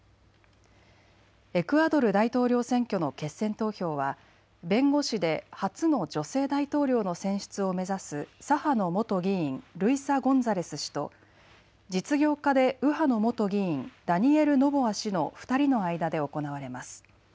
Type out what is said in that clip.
エクアドル大統領選挙の決選投票は弁護士で初の女性大統領の選出を目指す左派の元議員、ルイサ・ゴンザレス氏と実業家で右派の元議員ダニエル・ノボア氏の２人の間で行われます。